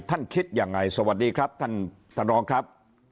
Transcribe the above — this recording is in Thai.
ท่านคิดอย่างไรสวัสดีครับท่านบอตรอครับ